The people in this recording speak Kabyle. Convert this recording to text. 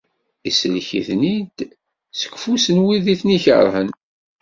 Isellek-iten-id seg ufus n win i ten-ikerhen.